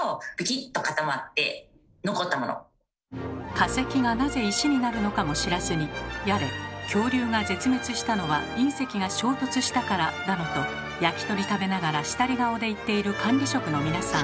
化石がなぜ石になるのかも知らずにやれ「恐竜が絶滅したのは隕石が衝突したから」だのと焼き鳥食べながらしたり顔で言っている管理職の皆さん。